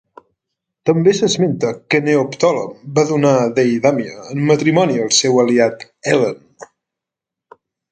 També s'esmenta que Neoptòlem va donar Deidamia en matrimoni al seu aliat Helen.